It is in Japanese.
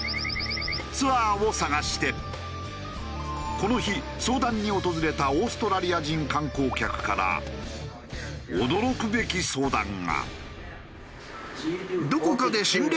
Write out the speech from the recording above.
この日相談に訪れたオーストラリア人観光客から驚くべき相談が。